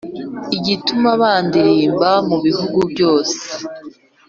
Igituma bandirimba mu bihugu byose